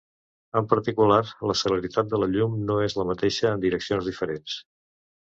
En particular, la celeritat de la llum no és la mateixa en direccions diferents.